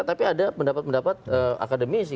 tapi ada pendapat pendapat akademisi